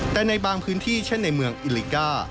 แต่ในบางพื้นที่เช่นในเมืองอิลิก้า